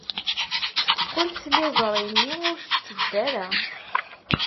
Teqqel tliẓri-nni ur tetteddu ara.